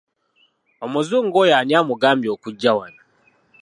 Omuzungu oyo ani amugambye okujja wano?